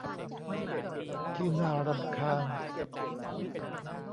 ที่น่ารำคาญ